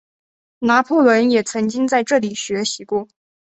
拿破仑也曾经在这里学习过。